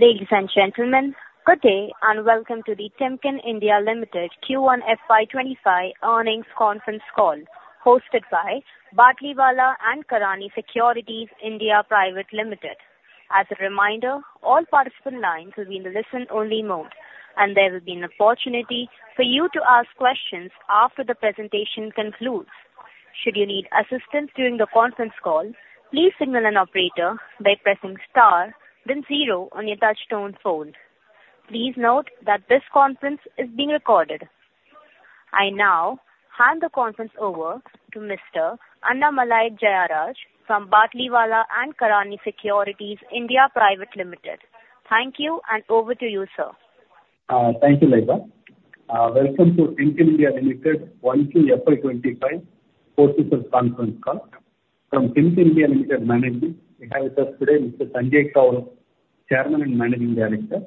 Ladies and gentlemen, good day, and welcome to the Timken India Limited Q1 FY25 earnings conference call, hosted by Batlivala & Karani Securities India Private Limited. As a reminder, all participant lines will be in the listen-only mode, and there will be an opportunity for you to ask questions after the presentation concludes. Should you need assistance during the conference call, please signal an operator by pressing star then zero on your touchtone phone. Please note that this conference is being recorded. I now hand the conference over to Mr. Annamalai Jayaraj from Batlivala & Karani Securities India Private Limited. Thank you, and over to you, sir. Thank you, Laila. Welcome to Timken India Limited Q1 FY25 quarter conference call. From Timken India Limited management, we have with us today Mr. Sanjay Kaul, Chairman and Managing Director,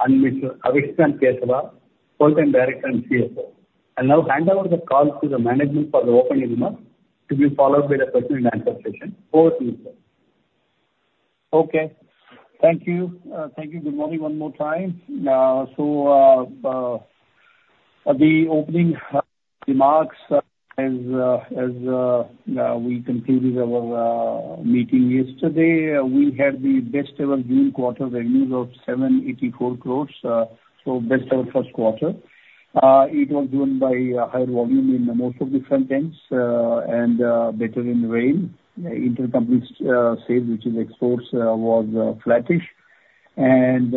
and Mr. Avishrant Keshava, Whole-time Director and CFO. I'll now hand over the call to the management for the opening remarks, to be followed by the question and answer session. Over to you, sir. Okay. Thank you. Thank you. Good morning one more time. So, the opening remarks, as we concluded our meeting yesterday, we had the best ever June quarter revenues of 784 crore. So best ever first quarter. It was driven by a higher volume in most of the front ends, and better in rail. Intercompany sales, which is exports, was flattish. And,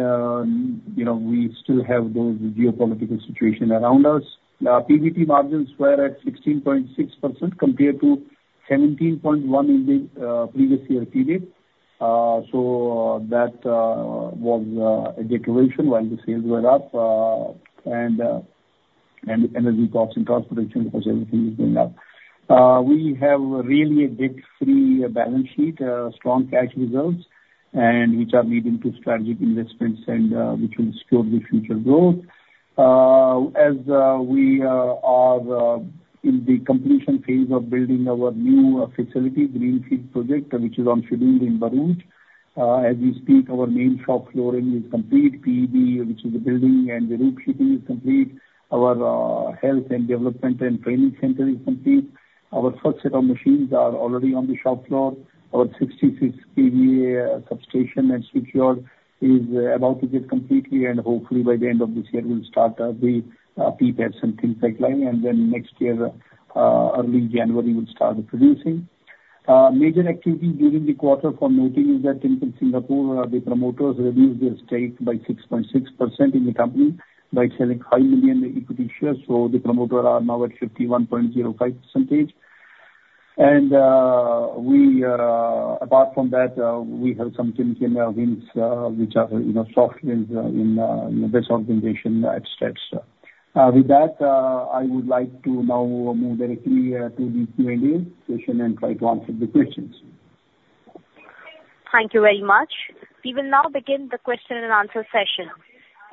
you know, we still have those geopolitical situation around us. Our PBT margins were at 16.6% compared to 17.1% in the previous year period. So that was a declaration while the sales were up, and energy costs and transportation, because everything is going up. We have really a debt-free balance sheet, strong cash results, and which are leading to strategic investments and, which will secure the future growth. As we are in the completion phase of building our new facility, greenfield project, which is on schedule in Bharuch. As we speak, our main shop flooring is complete. PEB, which is the building and the roof sheeting, is complete. Our health and development and training center is complete. Our first set of machines are already on the shop floor. Our 66 kV substation and switchyard is about to get completed, and hopefully by the end of this year we'll start the PPAP and pipeline, and then next year, early January, we'll start producing. Major activity during the quarter for noting is that in Singapore, the promoters reduced their stake by 6.6% in the company by selling 5 million equity shares, so the promoters are now at 51.05%. Apart from that, we have some headwinds, which are, you know, soft headwinds, in this organization at stretch. With that, I would like to now move directly to the Q&A session and try to answer the questions. Thank you very much. We will now begin the question and answer session.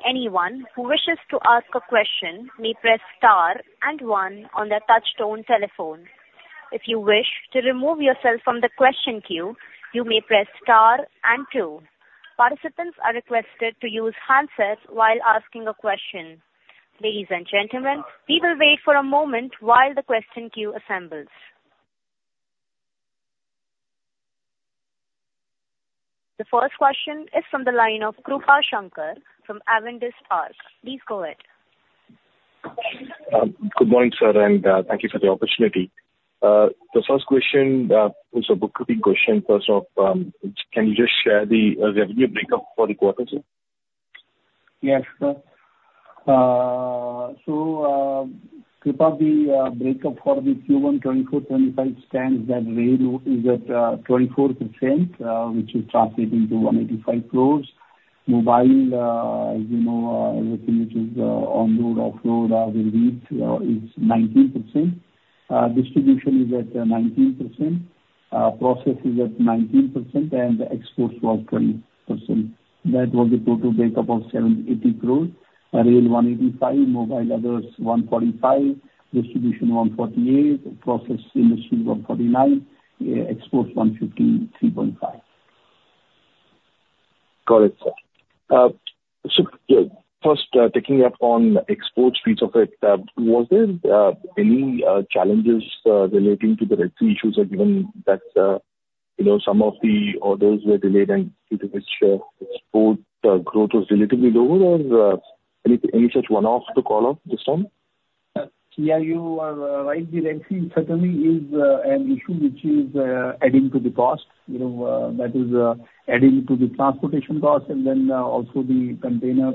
Anyone who wishes to ask a question may press star and one on their touchtone telephone. If you wish to remove yourself from the question queue, you may press star and two. Participants are requested to use handsets while asking a question. Ladies and gentlemen, we will wait for a moment while the question queue assembles. The first question is from the line of Krupa Shankar from Avendus Spark. Please go ahead. Good morning, sir, and thank you for the opportunity. The first question is a boilerplate question. First off, can you just share the revenue breakup for the quarter, sir? Yes, sir. So, Krupa, the breakup for the Q1 2024/25 stands that rail is at 24%, which is translating to 185 crore. Mobile, you know, everything which is on road, off road, the reach is 19%. Distribution is at 19%, process is at 19%, and the exports were 20%. That was the total breakup of 780 crore. Rail 185 crore, mobile others 145 crore, distribution 148 crore, process industry 149 crore, exports 153.5. Crore Got it, sir. So first, taking up on export speeds of it, was there any challenges relating to the Red Sea issues, or given that, you know, some of the orders were delayed and due to which, export growth was relatively lower? Or, any any such one-offs to call out this time? Yeah, you are right. The rental certainly is an issue which is adding to the cost, you know, that is adding to the transportation cost, and then also the container.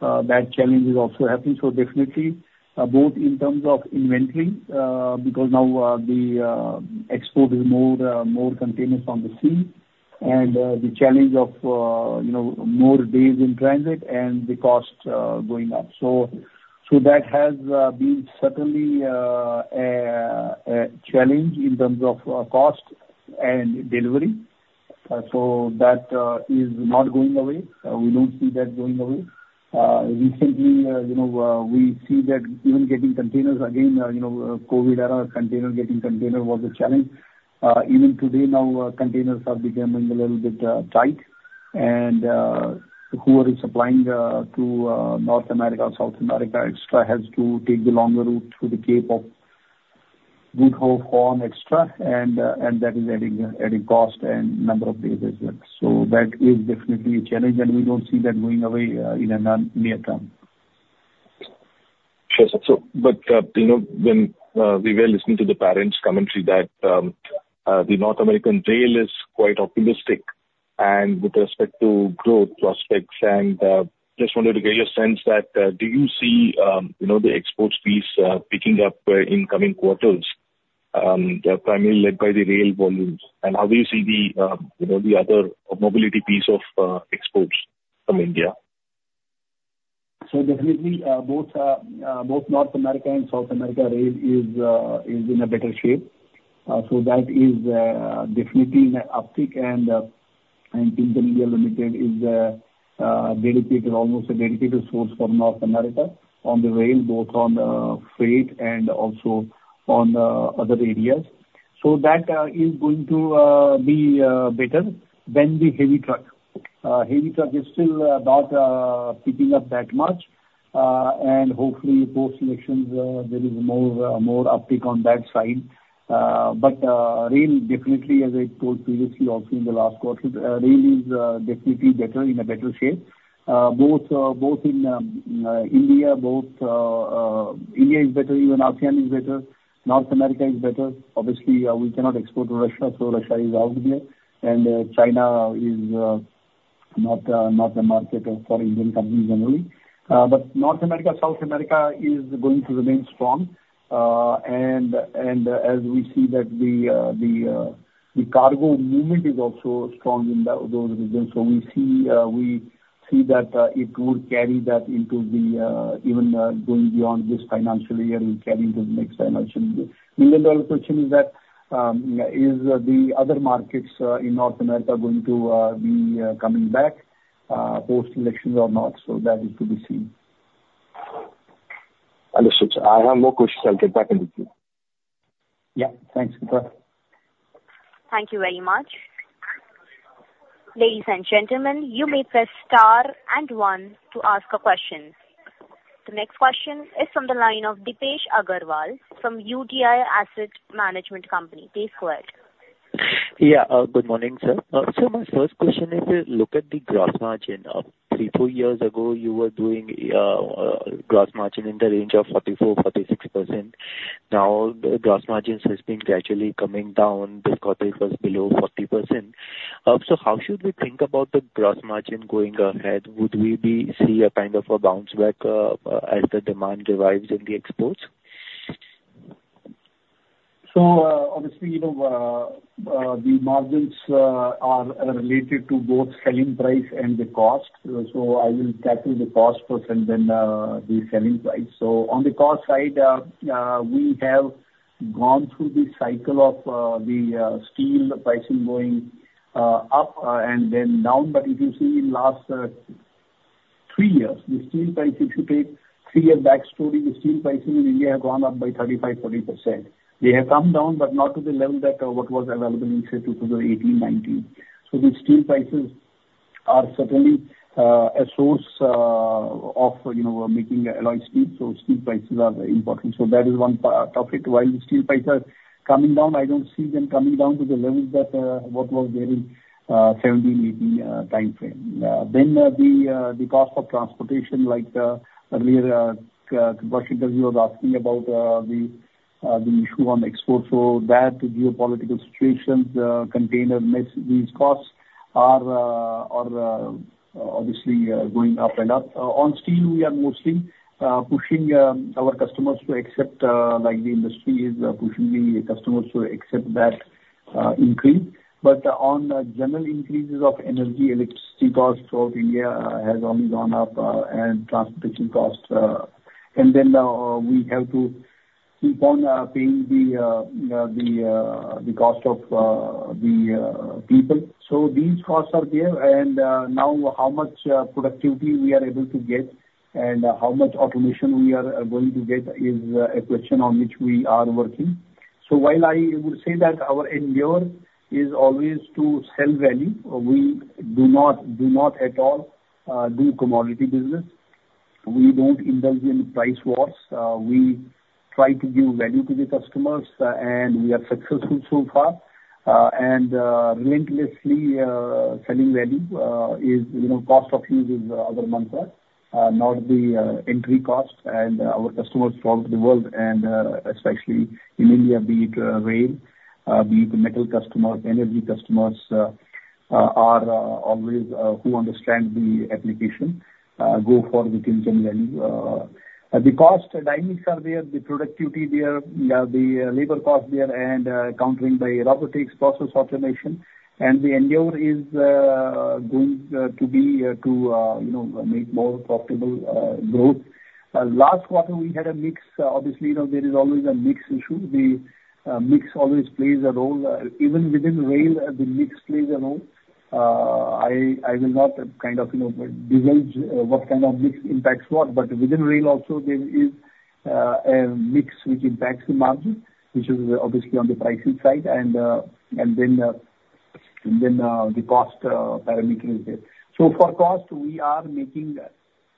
That challenge is also happening. So definitely both in terms of inventory because now the export is more, more containers on the sea, and the challenge of you know, more days in transit and the cost going up. So that has been certainly a challenge in terms of cost and delivery. So that is not going away. We don't see that going away. Recently, you know, we see that even getting containers again, you know, COVID era, container, getting container was a challenge.... Even today, now, containers are becoming a little bit tight, and whoever is supplying to North America or South America et cetera has to take the longer route through the Cape of Good Hope Horn, et cetera, and that is adding cost and number of days as well. So that is definitely a challenge, and we don't see that going away in the near term. Sure, sir. So, but, you know, when we were listening to the parent's commentary that the North American rail is quite optimistic, and with respect to growth prospects, and just wanted to get a sense that do you see, you know, the exports piece picking up in coming quarters, primarily led by the rail volumes? And how do you see the, you know, the other mobility piece of exports from India? So definitely, both North America and South America rail is in a better shape. So that is definitely an uptick, and Timken India Limited is dedicated, almost a dedicated source for North America on the rail, both on freight and also on other areas. So that is going to be better than the heavy truck. Heavy truck is still not picking up that much, and hopefully post-elections, there is more uptick on that side. But rail, definitely, as I told previously, also in the last quarter, rail is definitely better, in a better shape. Both in India, India is better, even ASEAN is better. North America is better. Obviously, we cannot export to Russia, so Russia is out there. China is not a market for Indian companies generally. But North America, South America is going to remain strong. And as we see that the cargo movement is also strong in those regions. So we see that it will carry that into the even going beyond this financial year and carry into the next financial year. The million dollar question is that is the other markets in North America going to be coming back post-elections or not? So that is to be seen. Understood, sir. I have no questions. I'll get back in with you. Yeah. Thanks. Thank you very much. Ladies and gentlemen, you may press star and one to ask a question. The next question is from the line of Dipesh Agarwal from UTI Asset Management Company. Please go ahead. Yeah, good morning, sir. So my first question is, look at the gross margin. Three, four years ago, you were doing gross margin in the range of 44%-46%. Now, the gross margins has been gradually coming down. This quarter it was below 40%. So how should we think about the gross margin going ahead? Would we be see a kind of a bounce back as the demand revives in the exports? So, obviously, you know, the margins are related to both selling price and the cost. So I will tackle the cost first and then the selling price. So on the cost side, we have gone through the cycle of the steel pricing going up and then down. But if you see in last three years, the steel price, if you take three years back story, the steel pricing in India have gone up by 35-40%. They have come down, but not to the level that what was available in, say, 2018, 2019. So the steel prices are certainly a source of, you know, making alloy steel. So steel prices are very important. So that is one topic. While the steel prices coming down, I don't see them coming down to the levels that what was there in 2017, 2018 time frame. Then the cost of transportation like earlier you were asking about the issue on the export. So that geopolitical situations, container mix, these costs are obviously going up and up. On steel, we are mostly pushing our customers to accept, like the industry is pushing the customers to accept that increase. But on general increases of energy, electricity costs throughout India has only gone up and transportation costs. And then we have to keep on paying the cost of the people. So these costs are there, and now how much productivity we are able to get and how much automation we are going to get is a question on which we are working. So while I would say that our endeavor is always to sell value, we do not, do not at all, do commodity business. We don't indulge in price wars. We try to give value to the customers, and we are successful so far. And relentlessly selling value is, you know, cost of use is our mantra, not the entry cost. And our customers from the world, and especially in India, be it rail, be it metal customers, energy customers are always who understand the application go for the Timken value. The cost dynamics are there, the productivity there, the labor cost there, and countering by robotics, process automation, and the endeavor is going to be to you know make more profitable growth. Last quarter, we had a mix. Obviously, you know, there is always a mix issue. The mix always plays a role. Even within rail, the mix plays a role. I will not kind of you know divulge what kind of mix impacts what, but within rail also there is a mix which impacts the margin, which is obviously on the pricing side. And then, the cost parameter is there. So for cost, we are making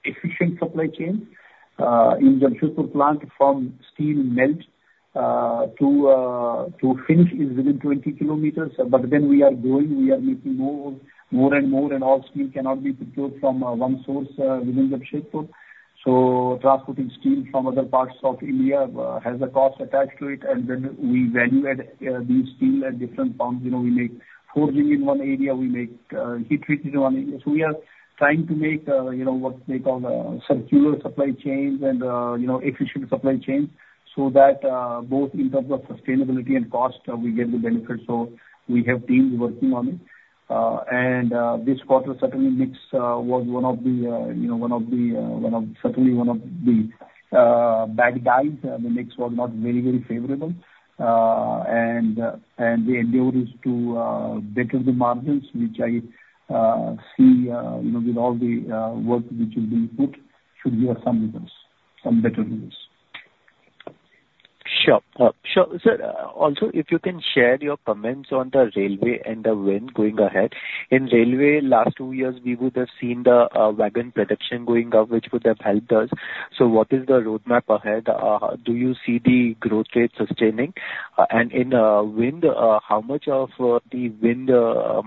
efficient supply chain in Jamshedpur plant from steel melt to finish is within 20 kilometers. But then we are growing, we are making more, more and more, and all steel cannot be procured from one source within Jamshedpur. So transporting steel from other parts of India has a cost attached to it, and then we value add the steel at different points. You know, we make forging in one area, we make heat treating in one area. So we are trying to make, you know, what they call circular supply chains and, you know, efficient supply chains, so that both in terms of sustainability and cost we get the benefit. So we have teams working on it. And this quarter, certainly mix was one of the, you know, one of the bad guides. The mix was not very, very favorable. And the endeavor is to better the margins, which I see, you know, with all the work which is being put, should give some results, some better results. Sure. Sure. Sir, also, if you can share your comments on the railway and the wind going ahead. In railway, last two years, we would have seen the wagon production going up, which would have helped us. So what is the roadmap ahead? Do you see the growth rate sustaining? And in wind, how much of the wind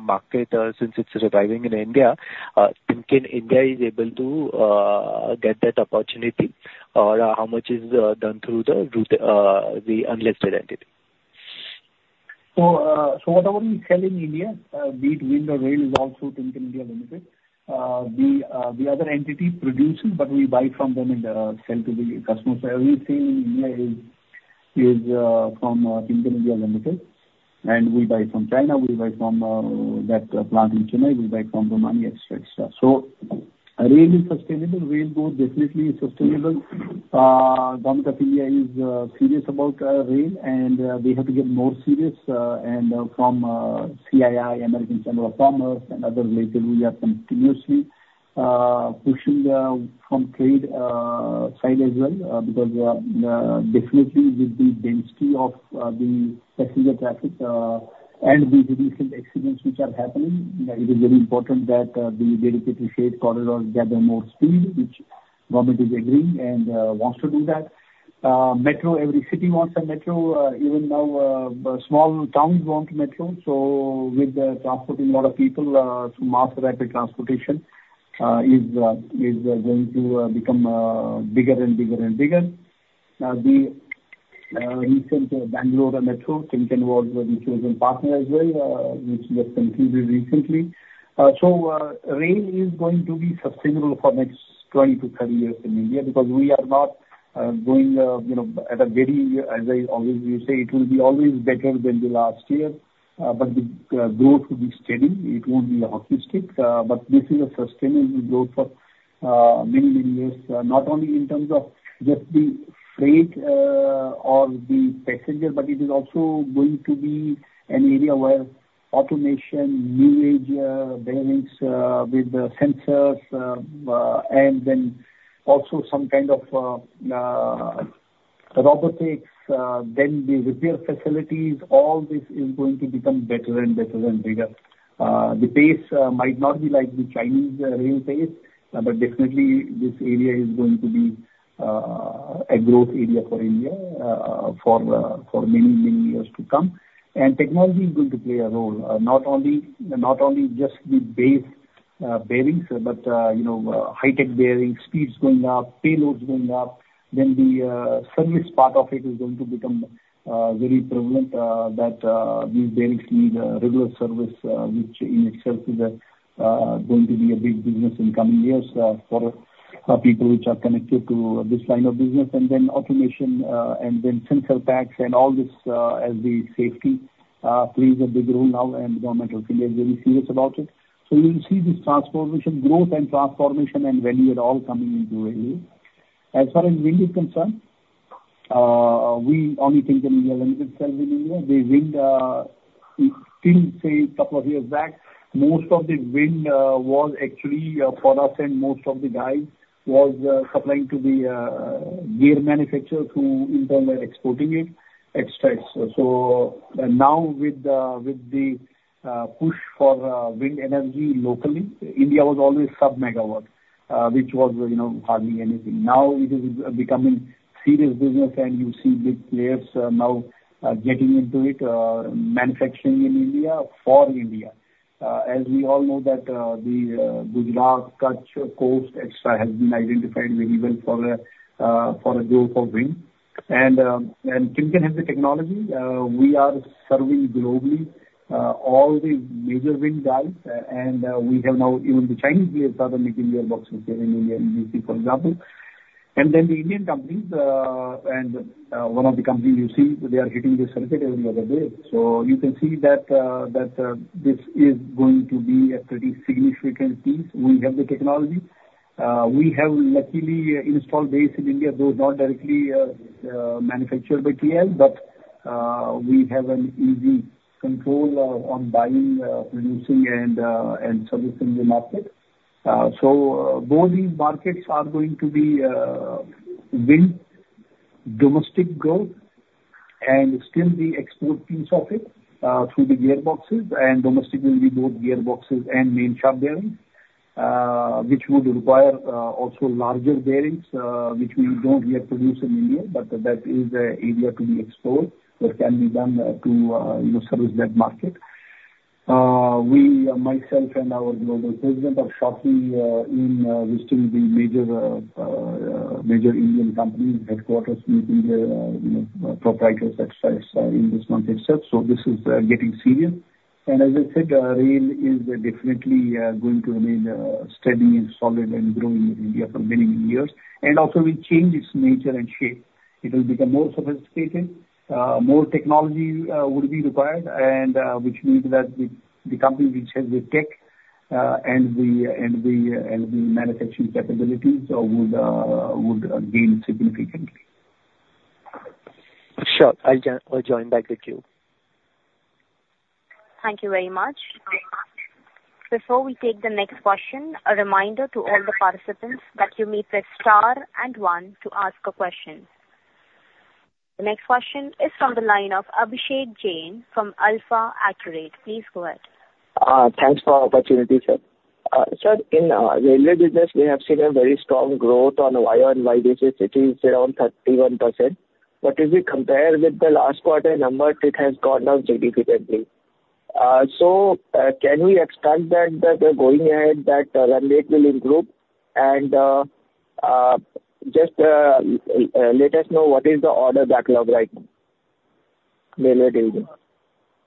market, since it's arriving in India, Timken India is able to get that opportunity, or how much is done through the unlisted entity? So, so whatever we sell in India, be it wind or rail, is all through Timken India Limited. The, the other entity produces, but we buy from them and, sell to the customers. Everything in India is, is, from, Timken India Limited. And we buy from China, we buy from, that plant in China, we buy from Romania, et cetera, et cetera. So rail is sustainable. Rail growth definitely is sustainable. Government of India is serious about rail, and they have to get more serious, and from CII, American Chamber of Commerce and other related, we are continuously pushing from trade side as well, because definitely with the density of the passenger traffic, and the recent accidents which are happening, it is very important that the Dedicated Freight Corridor gather more speed, which government is agreeing and wants to do that. Metro, every city wants a metro, even now small towns want metro. So with transporting a lot of people, so mass rapid transportation is going to become bigger and bigger and bigger. The recent Bangalore Metro, Timken was the chosen partner as well, which got concluded recently. So, rail is going to be sustainable for next 20-30 years in India, because we are not growing, you know, at a very, as I always say, it will be always better than the last year, but the growth will be steady. It won't be hockey stick, but this is a sustainable growth for many, many years. Not only in terms of just the freight or the passenger, but it is also going to be an area where automation, new age bearings with the sensors, and then also some kind of robotics, then the repair facilities, all this is going to become better and better and bigger. The pace might not be like the Chinese rail pace, but definitely this area is going to be a growth area for India, for many, many years to come. And technology is going to play a role, not only, not only just the base bearings, but, you know, high-tech bearings, speeds going up, payloads going up, then the service part of it is going to become very prevalent, that these bearings need regular service, which in itself is going to be a big business in coming years, for people which are connected to this line of business. And then automation, and then sensor packs and all this, as the safety plays a big role now, and Government of India is very serious about it. So you'll see this transformation, growth and transformation and value are all coming into railway. As far as wind is concerned, we only Timken India Limited sells in India. The wind, we still say couple of years back, most of the wind, was actually, for us, and most of the gear was, supplying to the, gear manufacturer who in turn were exporting it, et cetera, et cetera. So, now with the, with the, push for, wind energy locally, India was always sub megawatt, which was, you know, hardly anything. Now it is, becoming serious business and you see big players, now, getting into it, manufacturing in India for India. As we all know, that, the, Gujarat-Kutch coast, et cetera, has been identified very well for, for the growth of wind. And Timken has the technology. We are serving globally all the major wind guys, and we have now even the Chinese players are making gearboxes here in India, NGC, for example. And then the Indian companies, and one of the companies you see, they are hitting the circuit every other day. So you can see that, that this is going to be a pretty significant piece. We have the technology. We have luckily installed base in India, though not directly, manufactured by TL, but we have an easy control on buying, producing and servicing the market. So both these markets are going to be wind-... Domestic growth and still the export piece of it, through the gearboxes and domestically both gearboxes and main shaft bearings, which would require also larger bearings, which we don't yet produce in India, but that is an area to be explored, that can be done to you know service that market. We, myself and our global president are shopping in visiting the major major Indian companies headquarters, meeting you know proprietors, et cetera, in this month itself, so this is getting serious. And as I said, rail is definitely going to remain steady and solid and growing in India for many, many years. And also will change its nature and shape. It will become more sophisticated, more technology would be required, and which means that the company which has the tech and the manufacturing capabilities would gain significantly. Sure. I'll join back the queue. Thank you very much. Before we take the next question, a reminder to all the participants that you may press star and one to ask a question. The next question is from the line of Abhishek Jain from AlfAccurate Advisors. Please go ahead. Thanks for the opportunity, sir. Sir, in railway business, we have seen a very strong growth on a year-on-year basis, it is around 31%. But if you compare with the last quarter numbers, it has gone down significantly. So, can we expect that going ahead, that mandate will improve? And just let us know what is the order backlog right now, railway division?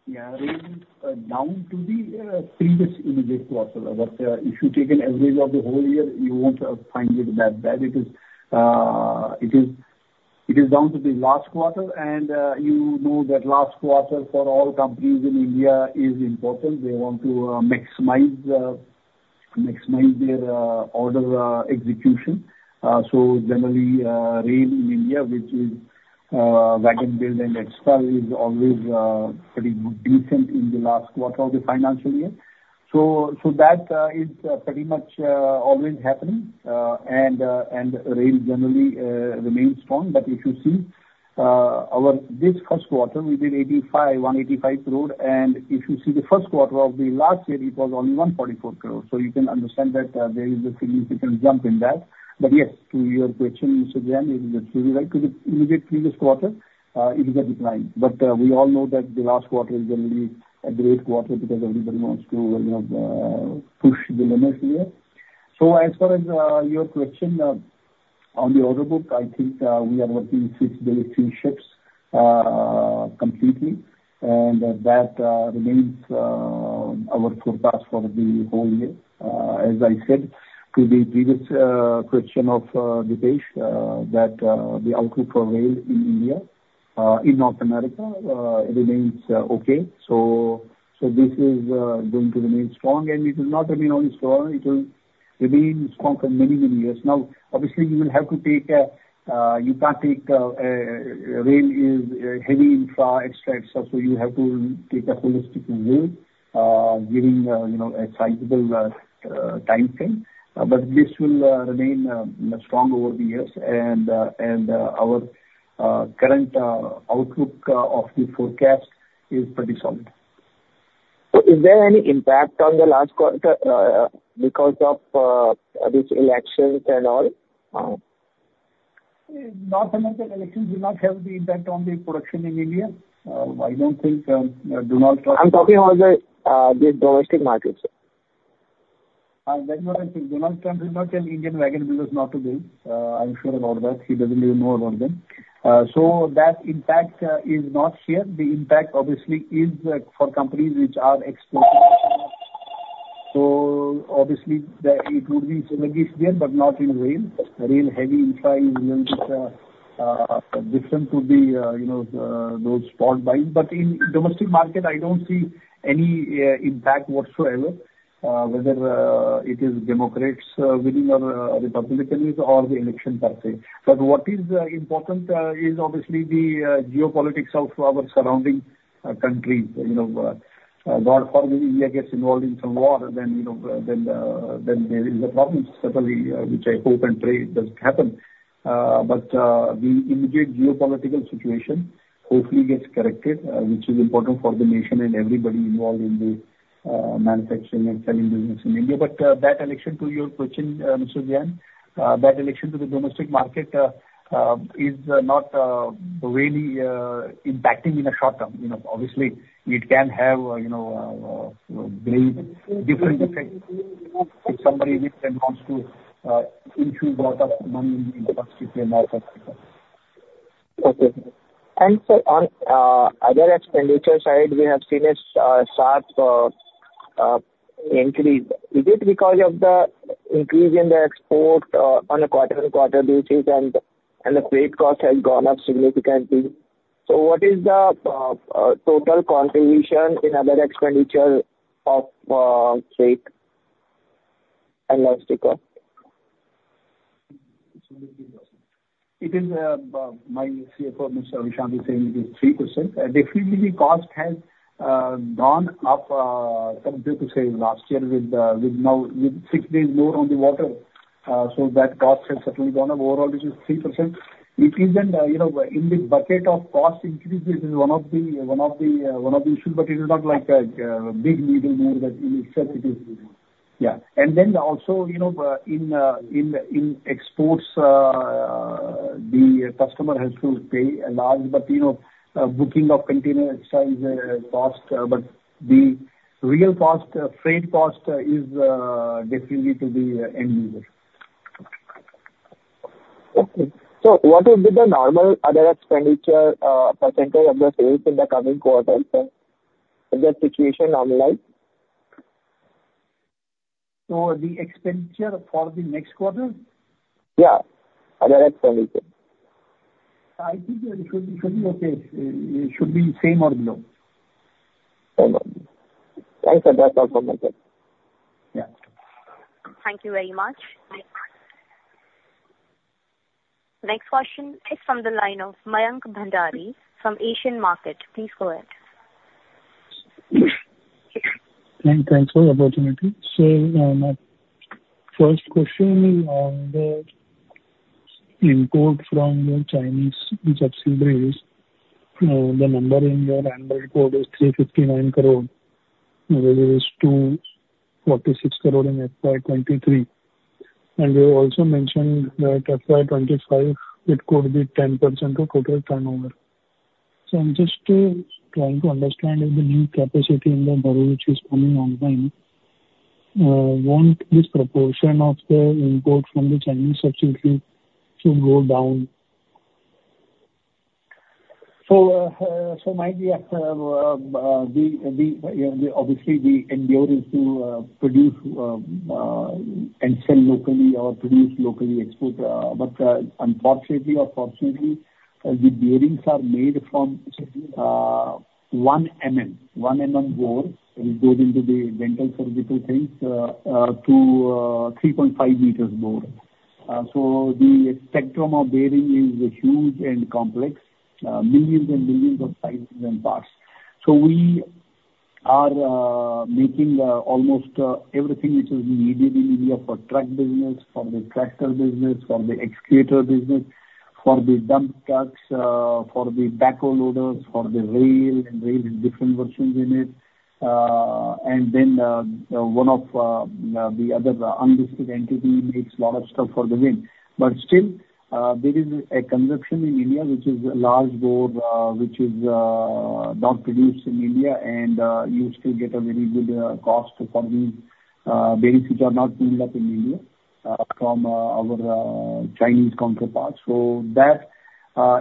Yeah. Rail is down to the previous immediate quarter. But if you take an average of the whole year, you won't find it that bad. It is, it is down to the last quarter, and you know that last quarter for all companies in India is important. They want to maximize, maximize their order execution. So generally, rail in India, which is wagon build and et cetera, is always pretty decent in the last quarter of the financial year. So, so that is pretty much always happening. And, and rail generally remains strong. But if you see our this first quarter, we did 185 crore, and if you see the first quarter of the last year, it was only 144 crore. So you can understand that, there is a significant jump in that. But yes, to your question, Mr. Jain, it is actually right to the immediate previous quarter, it is a decline. But, we all know that the last quarter is going to be a great quarter because everybody wants to, you know, push the limits here. So as far as, your question, on the order book, I think, we are working 6-18 ships, completely. And that, remains, our forecast for the whole year. As I said to the previous, question of, Dipesh, that, the outlook for rail in India, in North America, remains, okay. So, so this is, going to remain strong, and it will not remain only strong, it will remain strong for many, many years. Now, obviously, you will have to take a, you can't take, rail is heavy infra, et cetera, so you have to take a holistic view, giving, you know, a sizable timeframe, but this will remain strong over the years. And, our current outlook of the forecast is pretty solid. So is there any impact on the last quarter because of this elections and all? North American elections do not have the impact on the production in India. I don't think, Donald Trump- I'm talking about the domestic market, sir. That's what I think. Donald Trump is not in Indian wagon business, not to him. I'm sure about that. He doesn't even know about them. So that impact is not here. The impact obviously is for companies which are exporting. So obviously, it would be synergies there, but not in rail. Rail, heavy infra is different to, you know, those bought by. But in domestic market, I don't see any impact whatsoever, whether it is Democrats winning or Republicans, or the election per se. But what is important is obviously the geopolitics of our surrounding countries. You know, God forbid, India gets involved in some war then, you know, then there is a problem, certainly, which I hope and pray it doesn't happen. But, the immediate geopolitical situation hopefully gets corrected, which is important for the nation and everybody involved in the manufacturing and selling business in India. But, that election, to your question, Mr. Jain, that election to the domestic market, is not really impacting in the short term. You know, obviously, it can have, you know, different effect if somebody with then wants to infuse a lot of money in the purchasing market. Okay. And so on, other expenditure side, we have seen a sharp increase. Is it because of the increase in the export on a quarter-to-quarter basis, and the freight cost has gone up significantly? So what is the total contribution in other expenditure of freight and logistics? It is my CFO, Mr. Avishrant, is saying it is 3%. Definitely the cost has gone up compared to, say, last year with now with six days more on the water, so that cost has certainly gone up. Overall, this is 3%, which is then, you know, in the bucket of cost increase, this is one of the, one of the, one of the issues, but it is not like a big needle mover that in itself it is. Yeah. And then also, you know, in exports, the customer has to pay a large, but, you know, booking of container size cost, but the real cost, freight cost, is definitely to the end user. Okay. So what is with the normal other expenditure, percentage of the sales in the coming quarter, sir? Is that situation normalized? The expenditure for the next quarter? Yeah. Other expenditure. I think it should, it should be okay. It should be same or below. Same or below. Thanks, sir. That's all from my side. Yeah. Thank you very much. Next question is from the line of Mayank Bhandari from Asian Market Securities. Please go ahead. Thank you. Thanks for the opportunity. So, my first question is on the import from the Chinese subsidiaries. The number in your annual report is 359 crore, whether it's 246 crore in FY 2023. And you also mentioned that FY 2025, it could be 10% of total turnover. So I'm just trying to understand if the new capacity in Bharuch is coming online, won't this proportion of the import from the Chinese subsidiary should go down? So, so my dear, we, we, we obviously we endeavor is to, produce, and sell locally or produce locally export. But, unfortunately or fortunately, the bearings are made from, 1 mm, 1 mm bore, and it goes into the dental surgical things, to, 3.5 meters bore. So the spectrum of bearing is huge and complex, millions and millions of sizes and parts. So we are making almost everything which is needed in India for truck business, for the tractor business, for the excavator business, for the dump trucks, for the backhoe loaders, for the rail, and rail is different versions in it. And then, one of the other, undisputed entity makes a lot of stuff for the wind. But still, there is a consumption in India, which is a large bore, which is not produced in India, and you still get a very good cost for these bearings which are not made up in India from our Chinese counterparts. So that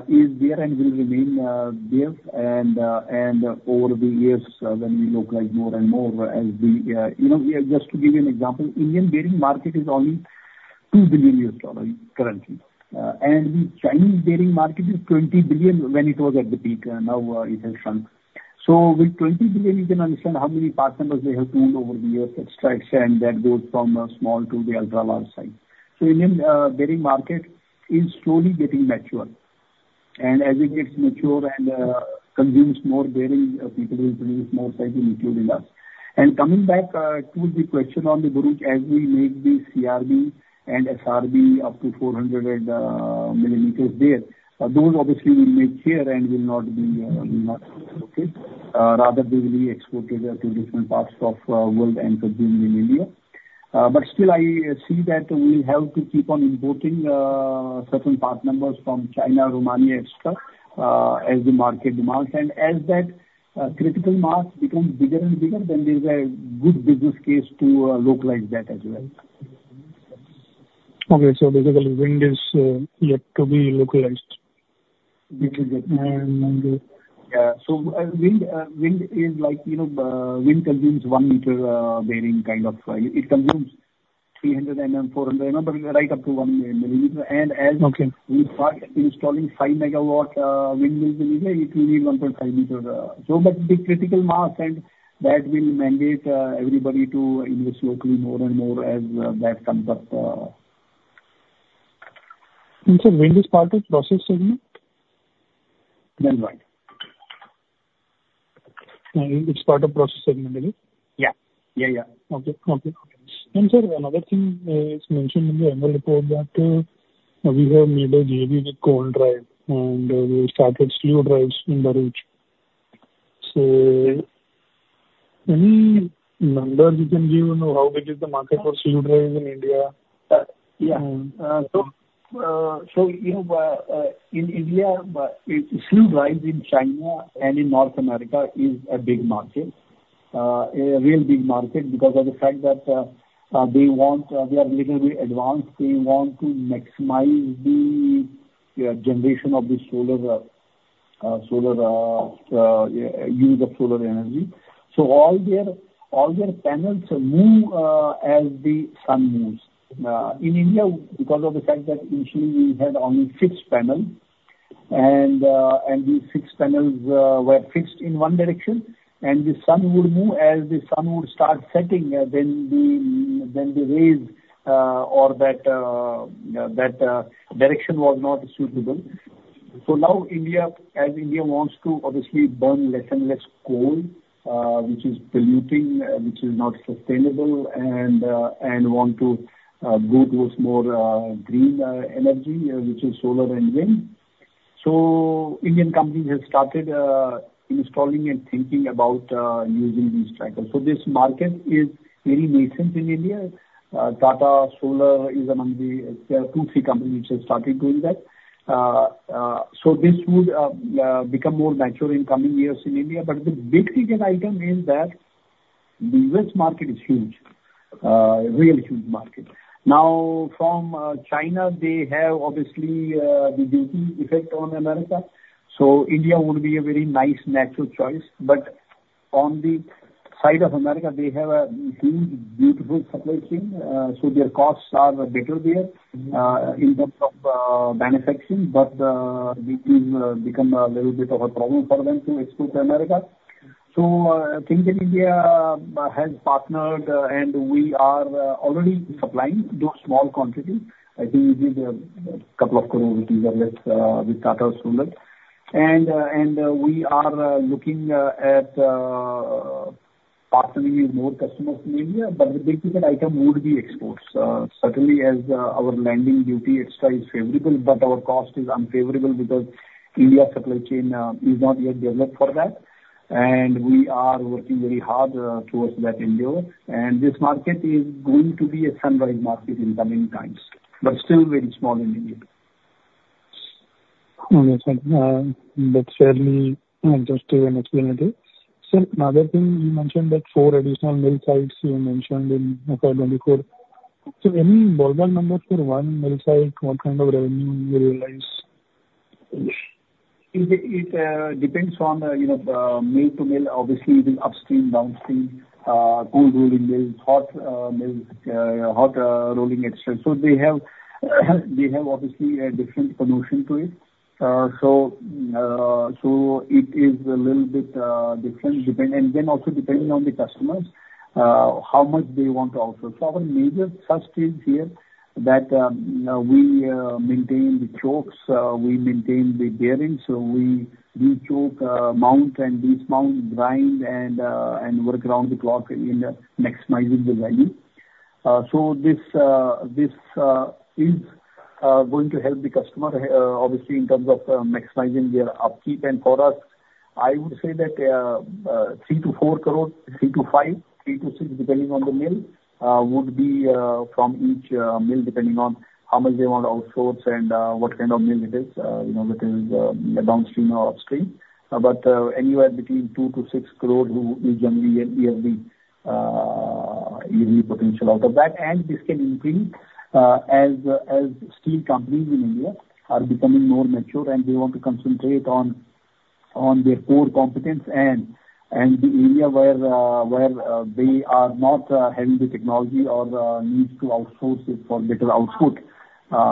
is there and will remain there, and over the years, when we localize more and more as we... You know, we are just to give you an example, Indian bearing market is only $2 billion currently. And the Chinese bearing market is $20 billion when it was at the peak, now it has shrunk. So with $20 billion, you can understand how many partners they have made over the years, extra, and that goes from small to the ultra large side. So Indian bearing market is slowly getting mature. And as it gets mature and consumes more bearing, people will produce more likely, including us. And coming back to the question on the group, as we make the CRB and SRB up to 400 millimeters there, those obviously we make here and will not be not located. Rather, they will be exported to different parts of world and consumed in India. But still, I see that we have to keep on importing certain part numbers from China, Romania, et cetera, as the market demands. And as that critical mass becomes bigger and bigger, then there is a good business case to localize that as well. Okay. So basically, wind is yet to be localized? Which is it? Yeah. So, wind is like, you know, wind consumes one liter bearing kind of size. It consumes 300 mm, 400 mm, but right up to 1 mm. And as- Okay. - We start installing 5-megawatt windmills in India, it will need 1.5 liter, so but the critical mass and that will mandate everybody to invest locally more and more as that comes up. Wind is part of process segment? Then what? It's part of process segment, I think. Yeah. Yeah, yeah. Okay. Okay. And sir, another thing, is mentioned in the annual report that, we have made a JV with Cone Drive, and, we started slew drives in Bharuch. So any numbers you can give on how big is the market for slew drives in India? Uh, yeah. Um. So, you know, in India, slew drives in China and in North America is a big market, a real big market because of the fact that they want, they are little bit advanced. They want to maximize the generation of the solar solar use of solar energy. So all their, all their panels move as the sun moves. In India, because of the fact that initially we had only fixed panels, and the fixed panels were fixed in one direction, and the sun would move. As the sun would start setting, then the rays, or that heat, that direction was not suitable. So now India, as India wants to obviously burn less and less coal, which is polluting, which is not sustainable, and want to go towards more green energy, which is solar and wind. So Indian companies have started installing and thinking about using these trackers. So this market is very nascent in India. Tata Solar is among the two, three companies which have started doing that. So this would become more mature in coming years in India. But the big ticket item is that the US market is huge, a really huge market. Now, from China, they have obviously the duty effect on America, so India would be a very nice natural choice. But on the side of America, they have a huge, beautiful supply chain, so their costs are better there, in terms of manufacturing, but this is become a little bit of a problem for them to export to America. So, in India has partnered, and we are already supplying those small quantity. I think it is a couple of with Tata Solar. And we are looking at partnering with more customers in India, but the big ticket item would be exports. Certainly as our landing duty extra is favorable, but our cost is unfavorable because India supply chain is not yet developed for that, and we are working very hard towards that endeavor. This market is going to be a sunrise market in coming times, but still very small in India. Okay, sir. That's fairly interesting and explanatory. Sir, another thing, you mentioned that four additional mill sites. So any ballpark numbers for one mill site, what kind of revenue you realize? It depends on the, you know, the mill to mill. Obviously, the upstream, downstream, cold rolling mills, hot mills, hot rolling, et cetera. So they have obviously a different promotion to it. So it is a little bit different, depend- And then also depending on the customers, how much they want to outsource. So our major touch is here, that we maintain the chocks, we maintain the bearings, so we chock mount and dismount, grind, and work around the clock in maximizing the value. So this is going to help the customer, obviously in terms of maximizing their upkeep. And for us, I would say that, 3 crore-4 crore, 3 crore- 5 crore, 3 crore-6 crore, depending on the mill, would be from each mill, depending on how much they want to outsource and what kind of mill it is, you know, that is downstream or upstream. But anywhere between 2 crore- 6 crore, we generally have the yearly potential out of that. And this can increase as steel companies in India are becoming more mature, and they want to concentrate on their core competence and the area where they are not having the technology or needs to outsource it for better output.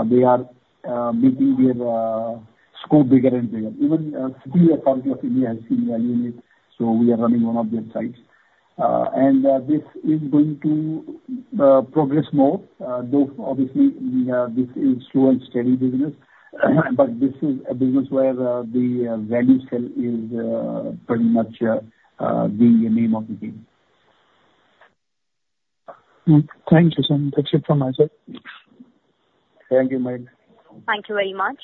They are making their scope bigger and bigger. Even, Steel Authority of India has Salem unit, so we are running one of their sites. And, this is going to progress more, though obviously, this is slow and steady business. But this is a business where, the value sell is pretty much the name of the game. Mm. Thank you, sir. That's it from my side. Thank you, Mike. Thank you very much.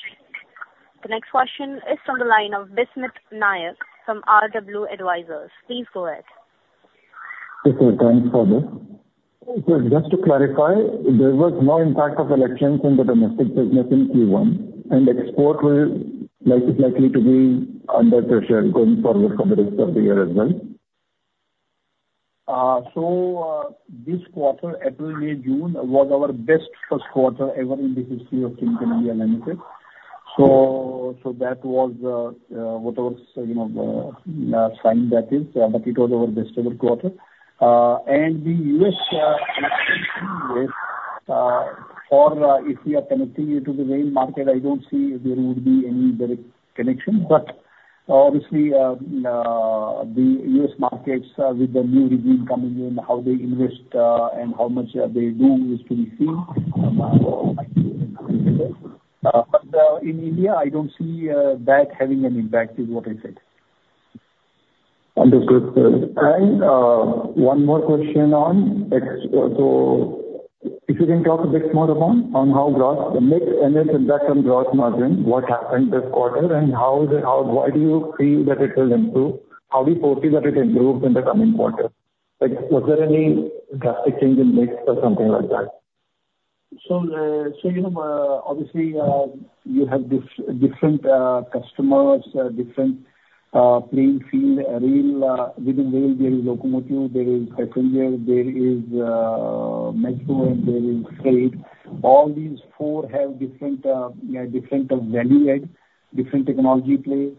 The next question is from the line of Bismit Nayak from RW Investment Advisors. Please go ahead. Okay, thanks for this. Just to clarify, there was no impact of elections on the domestic business in Q1, and export will like, is likely to be under pressure going forward for the rest of the year as well? So, this quarter, April, May, June, was our best first quarter ever in the history of the company. So, that was, whatever, you know, that is, but it was our best ever quarter. And the U.S., or if we are connecting it to the main market, I don't see there would be any direct connection. But obviously, the US markets, with the new regime coming in, how they invest, and how much they do is to be seen. But, in India, I don't see that having an impact is what I said. Understood, sir. And, one more question on export. So if you can talk a bit more upon, on how gross, the mix and its impact on gross margin, what happened this quarter, and how, why do you feel that it will improve? How do you foresee that it improves in the coming quarter? Like, was there any drastic change in mix or something like that? So you know, obviously, you have different customers, different playing field, rail, within rail there is locomotive, there is passenger, there is metro, and there is freight. All these four have different value add, different technology plays,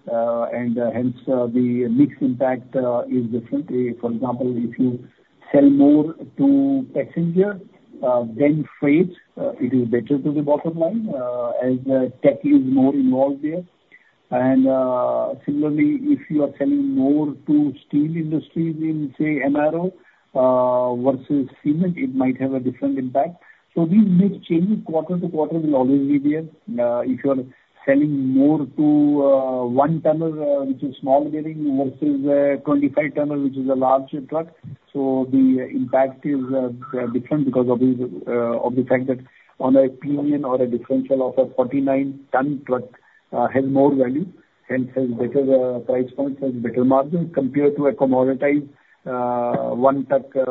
and hence the mix impact is different. For example, if you sell more to passenger than freight, it is better to the bottom line, as tech is more involved there. And similarly, if you are selling more to steel industry in, say, MRO versus cement, it might have a different impact. So these mix change quarter to quarter will always be there. If you are selling more to one-tonner, which is small bearing, versus 25-tonner, which is a larger truck, so the impact is different because of the fact that on a premium or a differential of a 49-ton truck has more value, hence has better price point, has better margin compared to a commoditized one-tonner truck,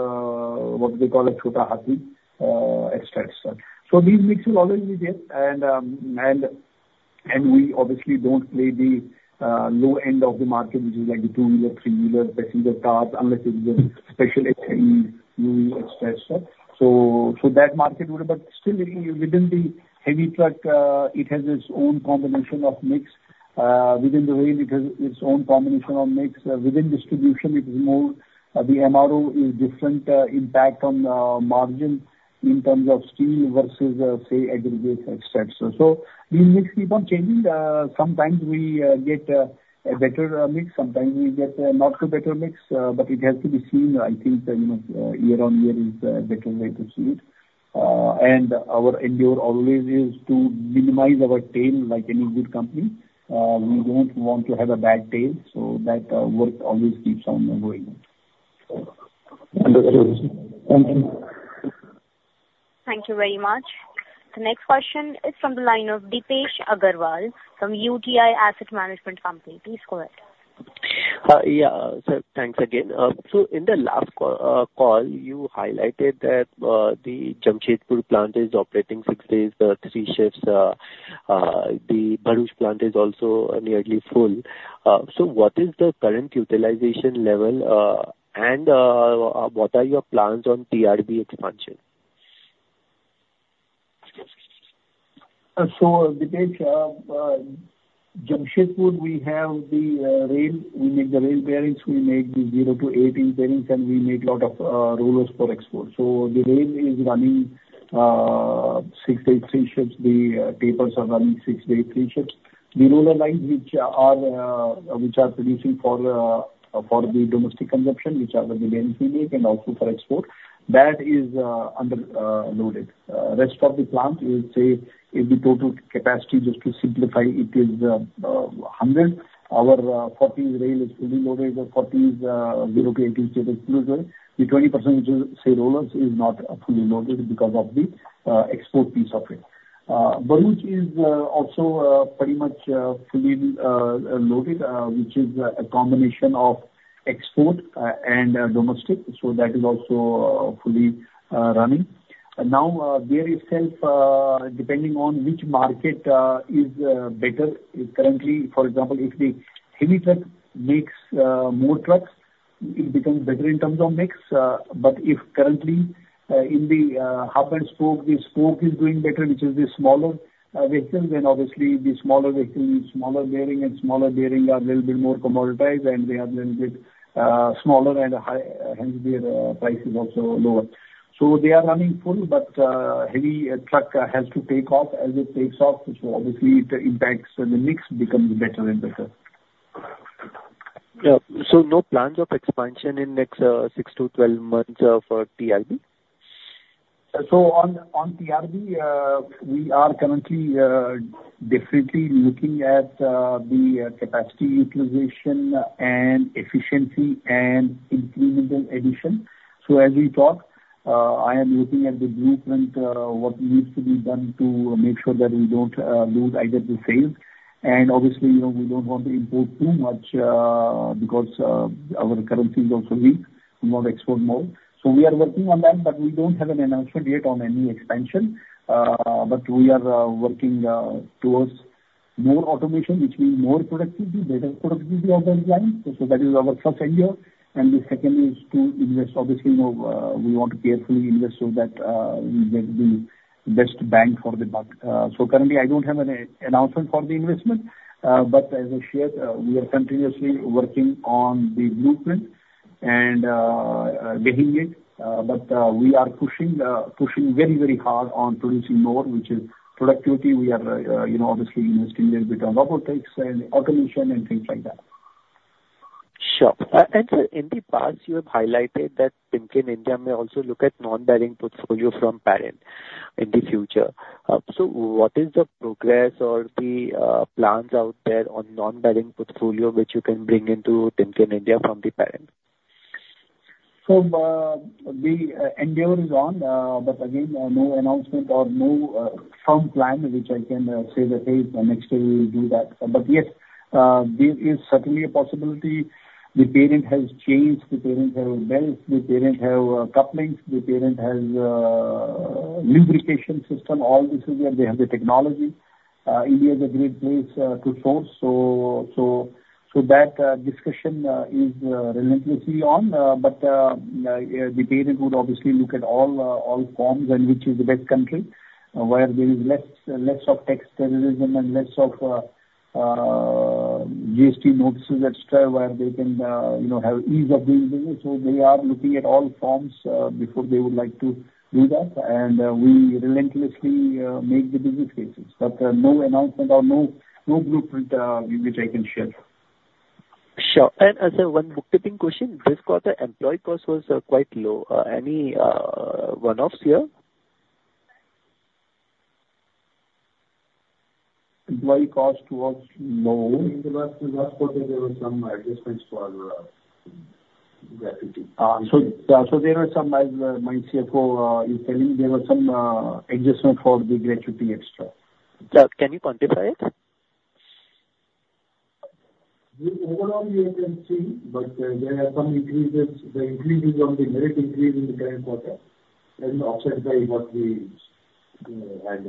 what they call a, et cetera, et cetera. So these mix will always be there, and we obviously don't play the low end of the market, which is like the two-wheeler, three-wheeler, passenger cars, unless it is a special FE, et cetera. So that market would, but still within the heavy truck, it has its own combination of mix, within the rail it has its own combination of mix. Within distribution it is more, the MRO is different, impact on, margin in terms of steel versus, say, aggregates, et cetera. So the mix keep on changing. Sometimes we get a better mix, sometimes we get not so better mix, but it has to be seen. I think that, you know, year-over-year is a better way to see it. And our endeavor always is to minimize our tail like any good company. We don't want to have a bad tail, so that work always keeps on going. Understood. Thank you. Thank you very much. The next question is from the line of Dipesh Agarwal from UTI Asset Management Company. Please go ahead. Yeah, so thanks again. So in the last call, you highlighted that the Jamshedpur plant is operating 6 days, 3 shifts. The Bharuch plant is also nearly full. So what is the current utilization level, and what are your plans on TRB expansion? So Dipesh, Jamshedpur, we have the rail. We make the rail bearings, we make the 0-8 bearings, and we make lot of rollers for export. So the rail is running 6 days, 3 shifts. The tapers are running 6 days, 3 shifts. The roller lines which are producing for the domestic consumption, which are the millions we make and also for export, that is underloaded. Rest of the plant, we say, if the total capacity just to simplify it, is 100, our 40 rail is fully loaded, the 40 is 0-8 state exclusive. The 20% which is, say, rollers, is not fully loaded because of the export piece of it. Bharuch is also pretty much fully loaded, which is a combination of export and domestic, so that is also fully running. Now, there itself, depending on which market is better. Currently, for example, if the heavy truck makes more trucks, it becomes better in terms of mix. But if currently, in the Hub and Spoke, the spoke is doing better, which is the smaller vehicles, then obviously the smaller vehicle needs smaller bearing, and smaller bearing are little bit more commoditized, and they are little bit smaller and high, hence their price is also lower. So they are running full, but heavy truck has to take off, as it takes off, so obviously the impacts and the mix becomes better and better. Yeah. So no plans of expansion in next 6-12 months of TRB? So, on TRB, we are currently definitely looking at the capacity utilization and efficiency and incremental addition. So as we talk, I am looking at the blueprint what needs to be done to make sure that we don't lose either the sales. And obviously, you know, we don't want to import too much because our currency is also weak, we want to export more. So we are working on that, but we don't have an announcement yet on any expansion. But we are working towards more automation, which means more productivity, better productivity of the plant. So that is our first idea. And the second is to invest. Obviously, you know, we want to carefully invest so that we get the best bang for the buck. So currently I don't have an announcement for the investment, but as I shared, we are continuously working on the blueprint and behind it. But we are pushing, pushing very, very hard on producing more, which is productivity. We are, you know, obviously investing a little bit on robotics and automation and things like that. Sure. And so in the past, you have highlighted that Timken India may also look at non-bearing portfolio from parent in the future. So what is the progress or the plans out there on non-bearing portfolio, which you can bring into Timken India from the parent? So, the endeavor is on, but again, no announcement or no firm plan, which I can say that, "Hey, next year we will do that." But yes, there is certainly a possibility. The parent has chains, the parent have belts, the parent have couplings, the parent has lubrication system. All this is there. They have the technology. India is a great place to source, so that discussion is relentlessly on, but the parent would obviously look at all forms and which is the best country, where there is less of tax terrorism and less of GST notices, et cetera, where they can, you know, have ease of doing business, so they are looking at all forms before they would like to do that. We relentlessly make the business cases, but no announcement or no blueprint which I can share. Sure. And, as one bookkeeping question, this quarter employee cost was quite low. Any one-offs here? Employee cost was low. In the last, last quarter, there were some adjustments for gratuity. So there were some, as my CFO is telling, there were some adjustment for the gratuity extra. Can you quantify it? Overall, we have been seeing, but there are some increases. The increases on the net increase in the current quarter and offset by what we, you know, had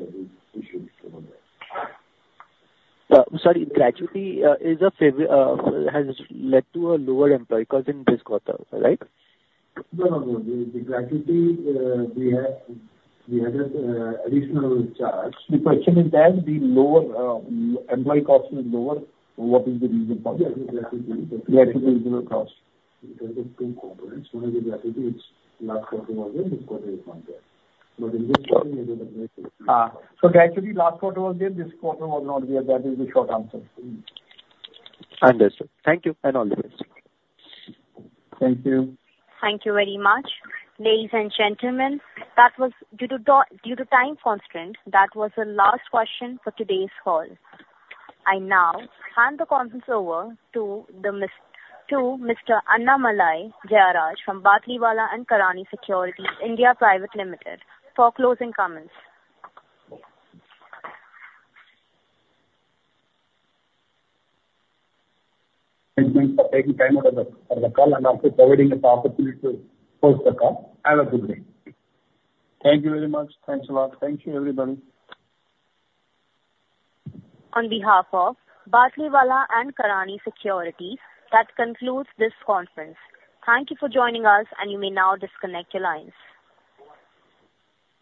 issues from there. Sorry, gratuity is a factor has led to a lower employee cost in this quarter, right? No, no, no. The gratuity, we had an additional charge. The question is that the lower employee cost is lower. What is the reason for that? Gratuity. Gratuity is the cost. There are two components. One is the gratuity, it's last quarter was there, this quarter is not there. But in this quarter, there is an increase- Gratuity last quarter was there, this quarter was not there. That is the short answer. Understood. Thank you, and all the best. Thank you. Thank you very much. Ladies and gentlemen, that was due to time constraints, that was the last question for today's call. I now hand the conference over to Mr. Annamalai Jayaraj, from Batlivala and Karani Securities India Private Limited, for closing comments. Thank you for taking time out of your call and after providing the opportunity to close the call. Have a good day. Thank you very much. Thanks a lot. Thank you, everybody. On behalf of Batlivala & Karani Securities, that concludes this conference. Thank you for joining us, and you may now disconnect your lines.